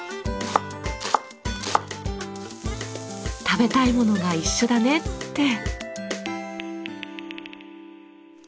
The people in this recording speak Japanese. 食べたいものが一緒だねって。